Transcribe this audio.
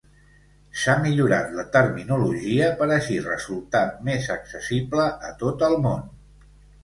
S'ha millorat la terminologia, per així resultar més accessible a tot el món.